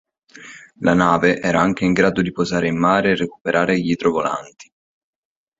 La nave era anche in grado di posare in mare e recuperare gli idrovolanti.